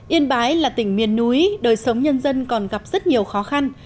yên bái là tỉnh miền núi đời sống nhân dân còn gặp rất nhiều khó khăn